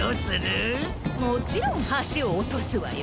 もちろんはしをおとすわよ。